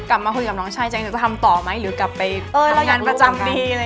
กลับมาคุยกับน้องชายจะทำต่อไหมหรือกลับไปทำงานประจำปี